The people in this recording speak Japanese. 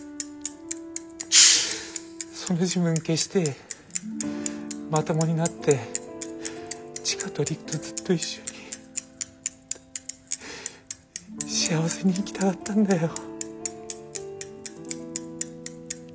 その自分消してまともになって千佳と璃久とずっと一緒に幸せに生きたかったんだよ。